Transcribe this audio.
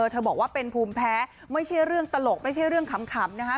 บอกว่าเป็นภูมิแพ้ไม่ใช่เรื่องตลกไม่ใช่เรื่องขำนะคะ